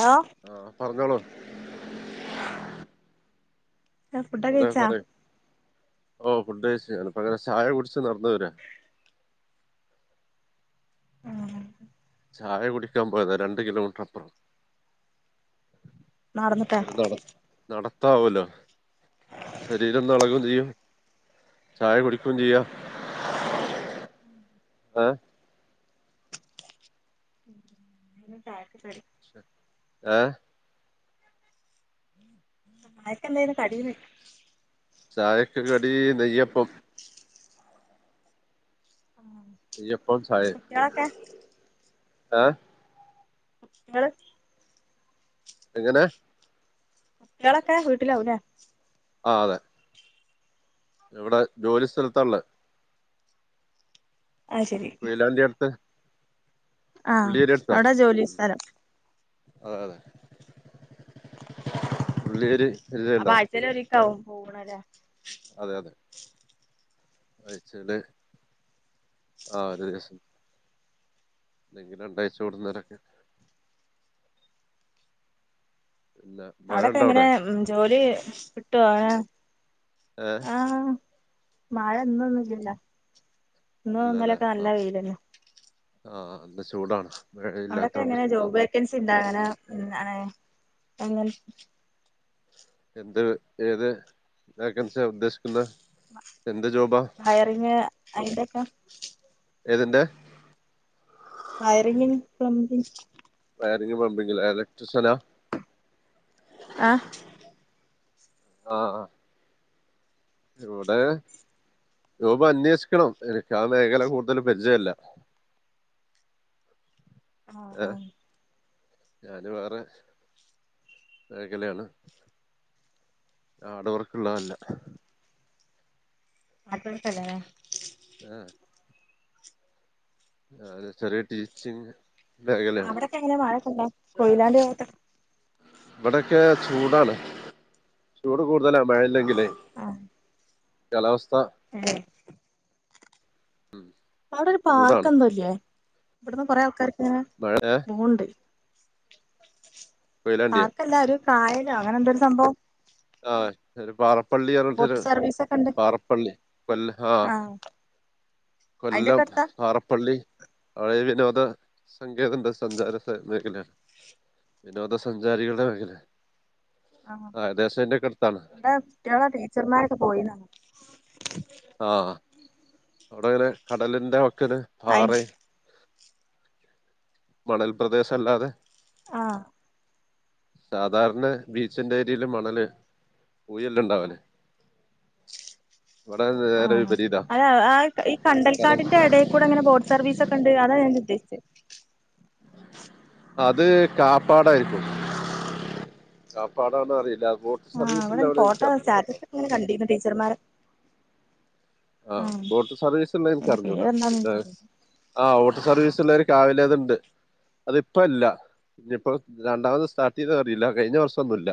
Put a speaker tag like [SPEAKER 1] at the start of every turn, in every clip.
[SPEAKER 1] Hello
[SPEAKER 2] ആ പറഞ്ഞോളൂ.
[SPEAKER 1] ആ ഫുട്ട്
[SPEAKER 2] പറയൂ
[SPEAKER 1] കഴിച്ചാ.
[SPEAKER 2] പറയൂ ഓ ഫുഡ് കഴിച്ച് ഞാനപ്പ അങ്ങനെ ചായ കുടിച്ച് നടന്ന് വരിക.
[SPEAKER 1] ആ.
[SPEAKER 2] ചായ കുടിക്കാൻ പോയതാ രണ്ട് കിലോമീറ്റർ അപ്പുറം.
[SPEAKER 1] നടന്നിട്ടാ
[SPEAKER 2] ഒരു നട നട. ത്താവേല്ലോ, ശരീരം ഒന്ന് ഇളക്കുകയും ചെയ്യും. ചായ കുടിക്കയും ചെയ്യാം ഹ.
[SPEAKER 1] ചായക്ക് കടി [unintelligible]
[SPEAKER 2] ഏ
[SPEAKER 1] ചായക്കെന്തായി കടിയന്ന്.
[SPEAKER 2] ചായക്ക് കടി നെയ്യപ്പം. നെയ്യപ്പം ചായെ.
[SPEAKER 1] കുട്ടികളൊക്കെ
[SPEAKER 2] ആഹ
[SPEAKER 1] കുട്ടികൾ
[SPEAKER 2] എങ്ങനെ.
[SPEAKER 1] കുട്ടികളൊക്കെ വീട്ടിലാവുല്ലേ.
[SPEAKER 2] ആ അതെ. ഇവിടെ ജോലി സ്ഥലത്തുള്ള.
[SPEAKER 1] അത്
[SPEAKER 2] വെയിലാണ്ടി അടുത്ത്.
[SPEAKER 1] ആ
[SPEAKER 2] ഉള്ളിയേരി അടുത്താ
[SPEAKER 1] അവിടെ ജോലി
[SPEAKER 2] ഉം,
[SPEAKER 1] സ്ഥലം.
[SPEAKER 2] അതെ അതെ. ഉള്ളിയേരി
[SPEAKER 1] അപ്പൊ
[SPEAKER 2] പരിചയണ്ടോ
[SPEAKER 1] ആഴ്ച്ചല് ഒരിക്കാവും. പോണലെ
[SPEAKER 2] അതെ അതെ അയച്ചല് ആ ഒരു ദിവസം എല്ലെങ്കിൽ രണ്ടാഴ്ച കൊടുുന്നേരൊക്കെ പിന്നെ മഴ
[SPEAKER 1] അവിടെൊക്കെ
[SPEAKER 2] ഉണ്ടോ
[SPEAKER 1] എങ്ങനെ
[SPEAKER 2] അവിടെ
[SPEAKER 1] ജോലി കിട്ടോ
[SPEAKER 2] ഏ
[SPEAKER 1] മഴൊന്നൊന്നുംല്ലല്ലോ ഇന്നും
[SPEAKER 2] ഇല്ലല്ലേ
[SPEAKER 1] ന്നലൊക്കെ
[SPEAKER 2] ആ
[SPEAKER 1] നല്ല വെയിലല്ലേ
[SPEAKER 2] ആഹ് ചൂടാണ്
[SPEAKER 1] അവിടൊക്കെ
[SPEAKER 2] മഴയില്ലാത്തോണ്ട്
[SPEAKER 1] എങ്ങനെ ജോബ്
[SPEAKER 2] ചൂടാണ്
[SPEAKER 1] വേക്കൻസി ഉണ്ടാങ്ങനെ ആണ് അ
[SPEAKER 2] എന്ത് ഏത് വേക്കൻസിയാ ഉദ്ദേശ
[SPEAKER 1] ഹയറിങ് അയിന്റെക്കെ
[SPEAKER 2] ഏതിന്റെ
[SPEAKER 1] വയറിങ്ങ് പ്ലംബിങ്
[SPEAKER 2] വയറിംഗ് പ്ലംബിംഗ് ലെ എലക്ട്രിഷനാ
[SPEAKER 1] ആ
[SPEAKER 2] ആഹ് ആഹ് ഇവിടെ രൂപ അന്വേഷിക്കണം എനിക്ക് ആ മേഖല കൂടുതൽ പരിചയല്ല
[SPEAKER 1] ആഹ്
[SPEAKER 2] ഏഹ്
[SPEAKER 1] ആഹ്
[SPEAKER 2] ഞാന് വേറെ മേഖലയാണ് ആട്വർക്കള്ളതല്ല
[SPEAKER 1] മാറ്റോടുത്തല്ലലേ
[SPEAKER 2] അതെ ചെറ്യേ ടീച്ചിംഗ്
[SPEAKER 1] അവിടൊക്കെ എങ്ങനെ വാഴക്കെണ്ടൊ കൊയിലാണ്ടി ഭാഗത്തൊക്കെ
[SPEAKER 2] ഇവിടൊക്കെ ചൂടാണ് ചൂട് കൂടുതലാണ് മഴല്ലെങ്കിൽ ല്ലെ കാലാവസ്ഥ
[SPEAKER 1] ഏ അവിടെ ഒരു പാർക്ക്
[SPEAKER 2] ചൂടാണ്
[SPEAKER 1] എന്തോല്ലേ ഇവിടന്ന് കൊറെ ആൾക്കാര്
[SPEAKER 2] മഴ
[SPEAKER 1] ങ്ങനെപോവ്ണ്ട്
[SPEAKER 2] കൊയിലാണ്ടിയാ
[SPEAKER 1] പാർക്കെല്ലാരും കായല് അങ്ങനെ ന്തൊരു സംഭവം
[SPEAKER 2] ആഹ് ശരി പാറ പള്ളിറഞ്ഞിട്ടൊര്
[SPEAKER 1] ബോട്ട് സർവീസ് ഒക്കെ ഉണ്ട്
[SPEAKER 2] പാറപ്പള്ളി പ ആ
[SPEAKER 1] ആഹ്
[SPEAKER 2] കൊല്ലം
[SPEAKER 1] അയിന്റെക്കെ അടുത്താ
[SPEAKER 2] പാറപ്പള്ളി അഴിവിനോ സങ്കേത സഞ്ചാര മേഖലയാണ് വിനോദ സഞ്ചാരികളുടെ മേഖല
[SPEAKER 1] ആ
[SPEAKER 2] ഏകദേശം എന്റെയൊക്കെ അടുത്താണ്
[SPEAKER 1] വടെ കുട്ട്യാള ടീച്ചർമാരൊക്കെ പോയിണ് [unintelligible]
[SPEAKER 2] ആഹ് അവിടെ ഇങ്ങനെ കടലിന്റെ ക്ക് ന്
[SPEAKER 1] അയി
[SPEAKER 2] പാറ മണൽ പ്രദേശല്ലാതെ
[SPEAKER 1] ആഹ്
[SPEAKER 2] സാധാരണ ബീച്ചിന്റെ ഏരിയില് മണല് ഊയെല്ണ്ടാവലേ
[SPEAKER 1] ആഹ് അത ആ ഈ
[SPEAKER 2] കടൽ
[SPEAKER 1] കണ്ടൽക്കാടിന്റെ എടേക്കൂടെങ്ങനെ ബോട്ട് സർവീസ് ഒക്കെ ഉണ്ട് അതാഞാൻ ചോ യ്ച്ചെ
[SPEAKER 2] അത് കാപ്പാടായിരിക്കും കാപ്പാട്ടാണ് അറീല
[SPEAKER 1] ആഹ അവിടെ ഫോട്ടോ സ്റ്റാറ്റസക്കെങ്ങനെ കണ്ടിരുന്നു ടീച്ചർമാരെ
[SPEAKER 2] ആഹ
[SPEAKER 1] ആഹ്
[SPEAKER 2] ബോട്ട് സർവീസ് ള്ളെ
[SPEAKER 1] അയിന്റെ
[SPEAKER 2] ഇൻക്കറിഞ്ഞൂടാ
[SPEAKER 1] പേരെന്താന്ന്
[SPEAKER 2] ഇത്
[SPEAKER 1] എനിക്കറിയില്ല
[SPEAKER 2] ആ ബോട്ട് സർവീസ് ത്ത്ള്ളരു കാവിലത്ണ്ട് അത്പ്പല്ല ഇനിപ്പോ രണ്ടാമത് സ്റ്റാർട്ട് ചെയ്തതറിയില്ല കഴിഞ്ഞ വർഷം ഒന്നുല്ല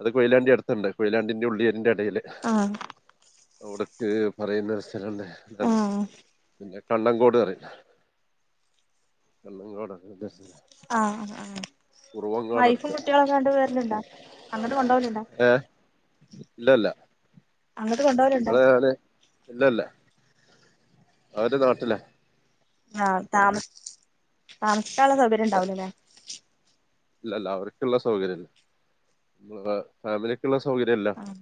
[SPEAKER 2] അത് കൊയിലാണ്ടി അട്ത്ത്ണ്ട് കൊയിലാണ്ടിന്റെഉള്ളിരിന്റെടു എടീല്
[SPEAKER 1] ആഹ്
[SPEAKER 2] അവിടക്ക് പറയുന്നൊരു സ്ഥലണ്ടേ എന്താണ്
[SPEAKER 1] ആഹ്
[SPEAKER 2] പിന്നെ കണ്ടങ്കോട് അറീലെ കണ്ട ങ്കോട്
[SPEAKER 1] ആഹ ആഹ വൈഫും
[SPEAKER 2] അടുത്ത്
[SPEAKER 1] കുട്ടികളൊക്കെ ങ്ങട്ട് വരല്ണ്ടോഅങ്ങട്ട് കൊണ്ടോകല്ണ്ടോ
[SPEAKER 2] ഇല്ലല്ല ഇവിടെ ഞാന് ഇല്ലല്ല അവര് നാട്ടിലാ
[SPEAKER 1] ആഹ് താമസി ആണ് ക്കാള്ള. സൗകര്യം ഉണ്ടാവൂലല്ലേ
[SPEAKER 2] ഇല്ലല്ല അവർക്ക്ള്ള സൗകര്യല്ല ഫാമിലിക്ക്ള്ള സൗകര്യല്ല
[SPEAKER 1] ആഹ്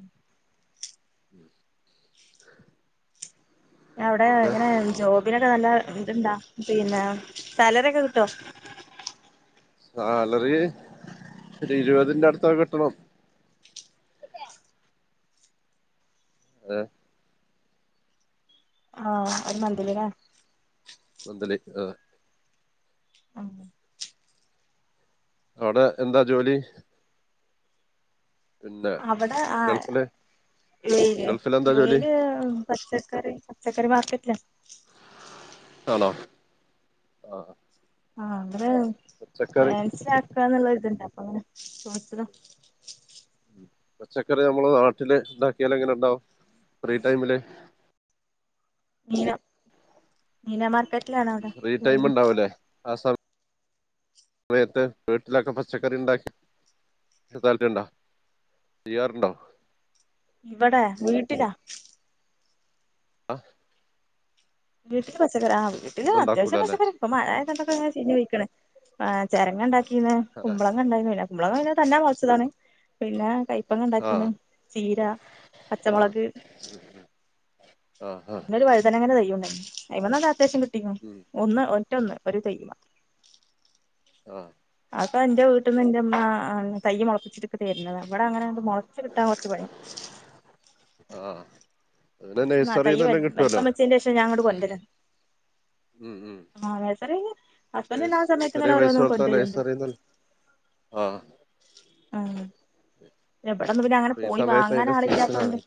[SPEAKER 1] അവിടെ എങ്ങനെ ജോബിനൊക്കെ നല്ല എന്തുണ്ടാ പിന്നെ സാലറി ഒക്കെ കിട്ടോ?
[SPEAKER 2] സാലറി ഒരു ഇരുപതിന്റെ അടുത്ത കിട്ടണം. അതെ.
[SPEAKER 1] ആഹ് ഒരു മന്തില് ല്ലെ?
[SPEAKER 2] മന്ത്ലി ആഹ്.
[SPEAKER 1] ആ
[SPEAKER 2] അവിടെ എന്താ ജോലി? പിന്നെ
[SPEAKER 1] അവിടെ ആ
[SPEAKER 2] ഗൾഫില്
[SPEAKER 1] മെയില്
[SPEAKER 2] ഗൾഫിൽ എന്താ ജോലി
[SPEAKER 1] മെയില് പച്ചക്കറി ച്ചക്കറി മാർക്കറ്റിലാ.
[SPEAKER 2] [unintelligible] ആഹ്
[SPEAKER 1] ആഹ് അത് ക്യാൻസൽ ആക്കാന്നുള്ള ഇതുണ്ട അങ്ങനെ ചോയ്ച്ചതാ.
[SPEAKER 2] പച്ചക്കറി നമ്മള് നാട്ടില് ഉണ്ടാക്കിയാല എങ്ങനെ ഉണ്ടാവും ഫ്രീ ടൈമില്?
[SPEAKER 1] [unintelligible] മാർക്കറ്റിലാണ് അവിടെ
[SPEAKER 2] ഫ്രീ ടൈം ഉണ്ടാവുംല്ലേ ആ സ മയത്ത് വീട്ടിലൊക്കെ പച്ചക്കറി ഉണ്ടാ [unintelligible] ചെയ്യാറുണ്ടോ?
[SPEAKER 1] ഇവിടെ വീട്ടിലാ?
[SPEAKER 2] ആഹ്
[SPEAKER 1] വീട്ടിൽ പച്ച പച്ചക്കറി ആ വീട്ടിൽ
[SPEAKER 2] ഒന്നും
[SPEAKER 1] അത്യാവശ്യം
[SPEAKER 2] ഉണ്ടാക്കൂലല്ലേ
[SPEAKER 1] പച്ചക്കറി ഇപ്പോ മഴയായതുകൊണ്ടൊക്കെ അങ്ങനെ [unintelligible] ആ ചിരങ്ങണ്ടാ
[SPEAKER 2] ആ
[SPEAKER 1] കുമ്പളങ്ങണ്ടെ കുമ്പളങ്ങ ക തന്നെ മുളതാണ് പിന്നെ ഇപ്പ
[SPEAKER 2] ആ
[SPEAKER 1] ഉണ്ടാക്കിന്ന് ചീര പച്ചമുളക്
[SPEAKER 2] ആ ആ
[SPEAKER 1] [inaudible] [inaudible]
[SPEAKER 2] ഉം
[SPEAKER 1] ഒന്ന് റ്റൊന്ന് ഒരു തൈ
[SPEAKER 2] ആ
[SPEAKER 1] അപ്പൊ എന്റെ വീട്ടിൽ നിന്ന് എന്റെമ്മ തയ്യ മുളപ്പിച്ചിടുക്ക തരുന്നത് അവിടെ അങ്ങനെ മുളച്ച കിട്ടാൻ കുറച്ച് പറയയും
[SPEAKER 2] ആഹ
[SPEAKER 1] കൊറച്ച തയ്യ വലപ്പം വച്ചേന്റെ ശേഷം ഞാങ്ങോട് കൊണ്ടുവന്ന്
[SPEAKER 2] ഉം ഉം
[SPEAKER 1] ആസ ഹസ്ബൻഡ
[SPEAKER 2] നഴ്സ്
[SPEAKER 1] സമയത്ത് ഇങ്ങനെ
[SPEAKER 2] ചെറിയ പൈസ
[SPEAKER 1] ഓരോന്നും
[SPEAKER 2] കൊടുത്താ
[SPEAKER 1] കൊണ്ടരുണ്ട്
[SPEAKER 2] നഴ്സറിന്നല്ല ആ
[SPEAKER 1] എവിടെന്ന് പിന്നെ അങ്ങനെ
[SPEAKER 2] അപ്പൊ ഈ
[SPEAKER 1] പോയി
[SPEAKER 2] സമയത്ത്
[SPEAKER 1] വാങ്ങാൻ
[SPEAKER 2] അതിന്റെ
[SPEAKER 1] ആള ഇല്ലാത്തൊണ്ട്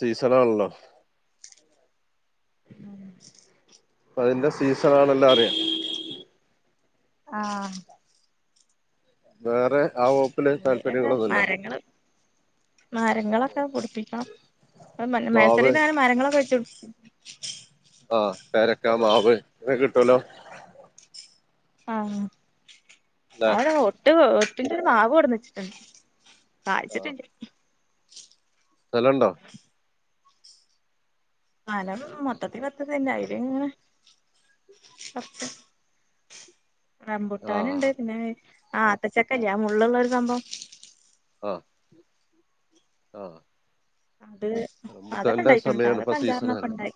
[SPEAKER 2] സീസൺ ആണെലോ അതിന്റെ സീസണ ആണെല്ലാം അറിയാം
[SPEAKER 1] ആഹ
[SPEAKER 2] വേറെ ആ വകുപ്പില്
[SPEAKER 1] അക്കെ
[SPEAKER 2] താല്പര്യങ്ങളൊന്നുല്ല
[SPEAKER 1] മരങ്ങ മരങ്ങളൊക്കെ കുടിപ്പിക്കണം
[SPEAKER 2] മാവ്
[SPEAKER 1] മൈസറിന്ന് മരങ്ങളൊക്കെ വെച്ച [unintelligible]
[SPEAKER 2] ആഹ പേരക്ക മാവ് ഇങ്ങൊെ കിട്ടുവലോ
[SPEAKER 1] ആഹ
[SPEAKER 2] അല്ലെ
[SPEAKER 1] [inaudible] പിന്റെ ഒരു നാാവോടന്ന് വെച്ചിട്ടുണ്ട്
[SPEAKER 2] ആ
[SPEAKER 1] ആചരില്ല
[SPEAKER 2] സ്ഥലണ്ടോ
[SPEAKER 1] പനം മൊട്ടത്തി പത്തത്തിന്റൊയിരും ഇങ്ങനെ പത്ത്
[SPEAKER 2] ആ
[SPEAKER 1] റമ്പുട്ടാൻ ഉണ്ട് പിന്നെ ആ അത്തച്ചക്ക ഞാൻ മുള്ളുള്ള സംഭവം
[SPEAKER 2] ആഹാ ആഹ്
[SPEAKER 1] അത് അതൊക്കെണ്ടായിക്ക്ണ് ട്ടാ അതൊക്കെ അഞ്ചാറെന്നൊക്കെ ഇണ്ടായി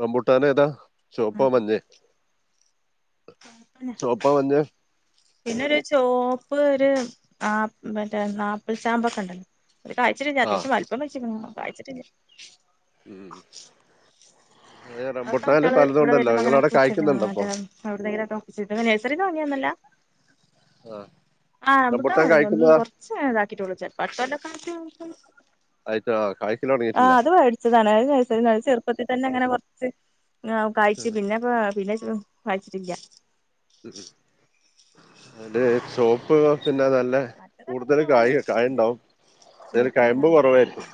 [SPEAKER 2] റംബുട്ടാന് ഏതാ ചോപ്പൊ മഞെ ചോപ്പ മഞെ
[SPEAKER 1] പിന്നൊരു ചോപ്പ് ഒരു ആഹ് മറ്റേ ആപ്പിൾ ചാമ്പക്കെണ്ടല്ലോ ഒരാഴ്ചിരുന്ന
[SPEAKER 2] ആ
[SPEAKER 1] അത്യാവശ്യം വൽപം വെചുകുണൂ പഴ്ച്ചിട്ടില്ല
[SPEAKER 2] ഉം ഏ,
[SPEAKER 1] അതാ
[SPEAKER 2] റംബൂട്ടാനില്
[SPEAKER 1] മറ്റാള്
[SPEAKER 2] പലതും
[SPEAKER 1] ഇവ്ടെ
[SPEAKER 2] ഉണ്ടല്ലോ
[SPEAKER 1] വരുമ്പൊങ്ങന
[SPEAKER 2] നിങ്ങളവിടെ
[SPEAKER 1] കുഴിച്ച്ട്ണാണ്
[SPEAKER 2] കായ്ക്കുന്നുണ്ടോ
[SPEAKER 1] മറ്റ
[SPEAKER 2] ഇപ്പൊ
[SPEAKER 1] എവിടെന്നെങ്കിലൊക്കെ ഒപ്പിച്ചിട്ട് നൈസരീന്ന് വാ ങ്ങിന്നൊല്ല
[SPEAKER 2] ആ
[SPEAKER 1] ആഹബുട്ടാൻ
[SPEAKER 2] റംബൂട്ടാൻ
[SPEAKER 1] ഒ
[SPEAKER 2] കായ്ക്കുന്നതാ
[SPEAKER 1] കൊറച്ച്ങ താക്കിട്ടൊള്ളു ചെൽപ്പ അട്ത്ത കൊല്ലക്കായിട്ട്
[SPEAKER 2] ആയിട്ട് ആ കായ്ക്കൽ
[SPEAKER 1] ആ
[SPEAKER 2] തുടങ്ങിയിട്ടില്ല
[SPEAKER 1] അത് വേടിച്ചതാണ് അത് നൈസരീന്ന് വേ ചെറുപ്പത്തി തന്നെ ങ്ങനെ പറിച്ച് ആ കഴ്ച്ച് പിന്നെപാ പിന്നെ ഉം വായിച്ചിട്ടില്ല
[SPEAKER 2] അതേ സോപ്പ്
[SPEAKER 1] മറ്റതൊക്കെ പിന്നെവ്ടെ വീട്ട്ന്നെന്നെ
[SPEAKER 2] ഉണ്ടാവും അതിന് കയമ്പ്
[SPEAKER 1] വീട്ട്ന്ന്ങ്ങനെ
[SPEAKER 2] കുറവായിരിക്കും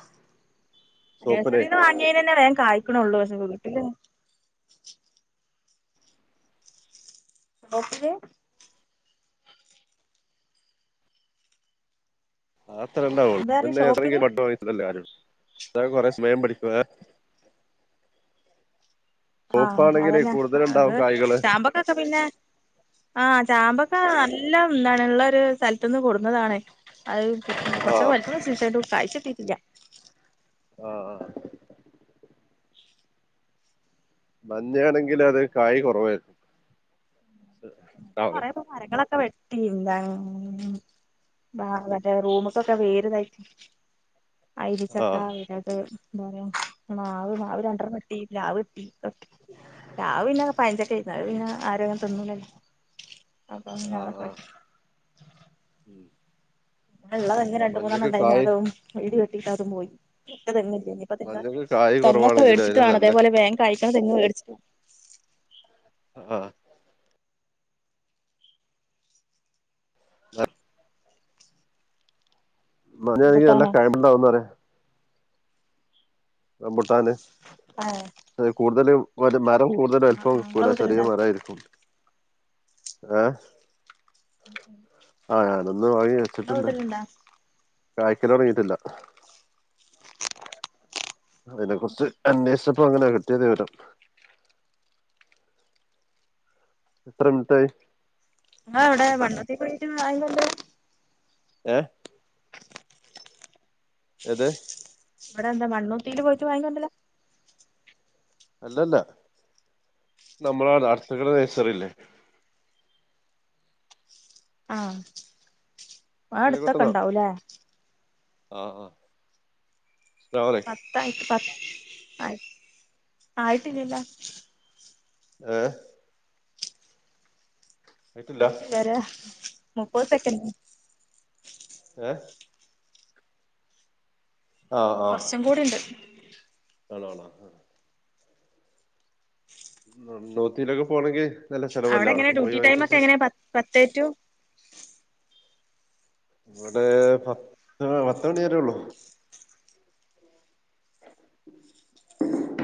[SPEAKER 2] ചുവപ്പിനെ
[SPEAKER 1] നഴ്സറീന്ന് വാങ്ങീനെന്നെ വേം കായ്ക്കൊണുള്ളൂ പഷെ ഇല്ല [unintelligible]
[SPEAKER 2] ആ അത്രെ ഇണ്ടാവൊള്ളൂ
[SPEAKER 1] എന്താ പറഞ്ഞെ
[SPEAKER 2] പിന്നെ എത്തണെങ്കി
[SPEAKER 1] ഷോപ്പില്
[SPEAKER 2] [unintelligible] വാങ്ങിച്ചതല്ലേ ആരട്തും എതാ കൊറെ സ്മയം പഠിക്കുവാ
[SPEAKER 1] ആഹ് അതെന്നെ അത്
[SPEAKER 2] കൂടുതലുണ്ടാവും കായ്കള്
[SPEAKER 1] ചാമ്പക്കൊക്കെ പിന്നെ ആഹ് ചാമ്പക്കാ ഇല്ലാം എന്താണ് ഇള്ളൊര് സ്ഥ ട്ടന്ന് കൊടുന്നതാണ് അത്
[SPEAKER 2] ആ
[SPEAKER 1] കൊറച്ചൊകെ വൽപ്പം വെച്ച്ണ് പഷേ അത് കാഴ്ച്ചിട്ടീട്ടില്ല
[SPEAKER 2] ആ ആ മഞ്ഞയാണങ്കിലത് കായി കൊറവായി
[SPEAKER 1] കൊറെപോ മരങ്ങളൊക്കെ വെ തീ [unintelligible] ബാ മറ്റേ റൂമ്കൊക്കെ വേര്തായിട്ട് ഐരി
[SPEAKER 2] ആ
[SPEAKER 1] ചക്ക വെരത് എന്താ റയാ മാവ് മാവ് രണ്ടണം വെട്ടി പ്ലാവ് ഇർതി പ്ലാവ് പിന്നെ പയഞ്ചക്കായിരുന്നു അത് പിന്നെ ആരുങ്ങനെ തിന്നൂലല്ലോ അപം
[SPEAKER 2] ആ
[SPEAKER 1] ന്നാളെ പെ
[SPEAKER 2] ആ. ഉം.
[SPEAKER 1] ള്ളതെെ രണ്ട
[SPEAKER 2] മഞ്ഞക്ക്
[SPEAKER 1] മൂന്നെണ്ണംണ്ടായി
[SPEAKER 2] കായ
[SPEAKER 1] അതും ഇടി വ കട്ടതും പോയി ഇ തന്നില്ല ഇപ്പ നിൾ
[SPEAKER 2] മഞ്ഞക്ക് കായ്
[SPEAKER 1] തങ്ങെ
[SPEAKER 2] കുറവാണെങ്കിലും അതിന്
[SPEAKER 1] മേടിച്ചിട്ടാണ്
[SPEAKER 2] നല്ല
[SPEAKER 1] അതേപോലെ വേ കൈ അ മേടിച്ച
[SPEAKER 2] ആ ആ മഞ്ഞാണെകിൽ നല്ല
[SPEAKER 1] റംബൂട്ടാനോ
[SPEAKER 2] കയംണ്ടാവുന്നറിയാ ആ ഭുട്ടൻ
[SPEAKER 1] ആഹ
[SPEAKER 2] ഒത് മാ മ കൂടുതൽ അലുപ്പം വൽക്കൂല ചെറിയ മറ ആയിരിക്കും ആഹ ആ ഞാനൊന്ന് വാങ്ങി
[SPEAKER 1] ഇങ്ങളെ
[SPEAKER 2] വച്ചിട്ടുണ്ട്
[SPEAKER 1] വീട്ടിലുണ്ടാ
[SPEAKER 2] കായ്ക്കല ഉടങ്ങിട്ടില്ല അതിനെ കുുറിച്ച് അന്വേഷിച്ചപ്പോ അങ്ങനെ കിട്ടെ അറ്റേ ദവിട്ടം എത്ര മിനിട്ടായി
[SPEAKER 1] ആ അവിടെ വണ്ണത്തിേ പോയിട്ട് അയൊണ്ട്
[SPEAKER 2] ഏഹ എത്
[SPEAKER 1] ഇവിടെ എന്താ മണ്ണൂട്ടീൽ പോയിട്ട് വാങ്ങിക്കൊണ്ടല്ലോ
[SPEAKER 2] അല്ലല്ല നമ്മള അടുത്ത കടെ നഴസറില്ലേ
[SPEAKER 1] ആഹ ആ അടുത്തൊക്കെ ഉണ്ടാവൂലേ
[SPEAKER 2] ആഹ ആ അസ്സലാമു അലൈക്കും
[SPEAKER 1] പത്തായിട്ട പത്ത് ആയി ആയിട്ടില്ലില്ല
[SPEAKER 2] ഏഹ
[SPEAKER 1] ആയിട്ടില്ലാര മുപ്പത് സെക്കൻഡ
[SPEAKER 2] ഏ
[SPEAKER 1] കുറച്ചും കൂടി ഉണ്ട്
[SPEAKER 2] ആണണ ആ നോതി ലക പോണ ഗ
[SPEAKER 1] അവിടെ എങ്ങനെ ഡ്യൂട്ടി ടൈമ ഒക്കെ എങ്ങനാ പത്തേറ്റു
[SPEAKER 2] ഇവിടെ പത്ത് പത്ത മണി വര ഉള്ളു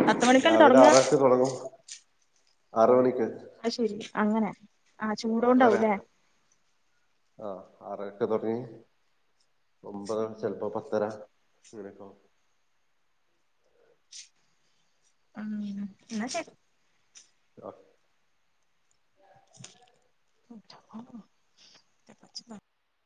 [SPEAKER 1] പത്ത മണിക്കല്ല തുടങ്ങാ
[SPEAKER 2] അറ മണിക്ക്
[SPEAKER 1] അ ശെരി അങ്ങനെ ആഹ് ചൂടോണ്ടാവൂലെ
[SPEAKER 2] ആഹ് ആറരക്ക് തൊടങ്ങി ഒമ്പത്
[SPEAKER 1] ഉം
[SPEAKER 2] ചെലപ്പം പത്തര ഇങ്ങനക്കെവും
[SPEAKER 1] ഉം ന്നാ ശെരി
[SPEAKER 2] [unintelligible]
[SPEAKER 1] [unintelligible]